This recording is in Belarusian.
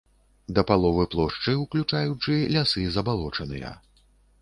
Да паловы плошчы, уключаючы, лясы забалочаныя.